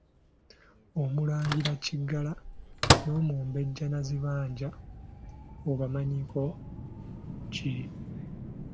Omulangira Kiggala n'omumbejja Nazibanja obamanyiiko ki?